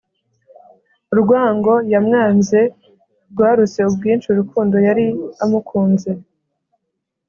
urwango yamwanze rwaruse ubwinshi urukundo yari amukunze.